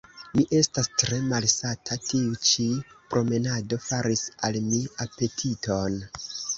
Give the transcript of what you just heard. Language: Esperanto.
Mi estas tre malsata; tiu ĉi promenado faris al mi apetiton.